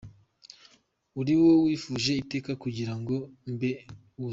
Uri uwo nifuje iteka kugira ngo mbe nuzuye !